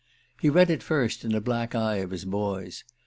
He read it first in a black eye of his boy's.